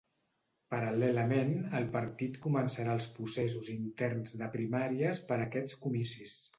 Paral·lelament, el partit començarà els processos interns de primàries per a aquests comicis.